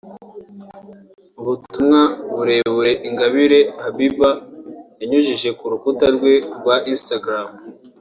Mu butumwa burebure Ingabire Habibah yanyujije ku rukuta rwe rwa instagra